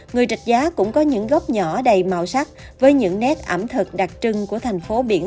người trạch giá cũng có những gốc nhỏ đầy màu sắc với những nét ẩm thực đặc trưng của thành phố biển